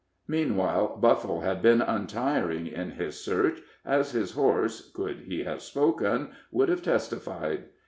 Meanwhile, Buffle had been untiring in his search, as his horse, could he have spoken, would have testified.